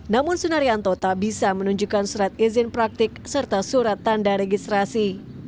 namun sunaryanto tak bisa menunjukkan surat izin praktik serta surat tanda registrasi